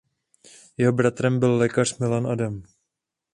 Jeho bratrem byl lékař Milan Adam.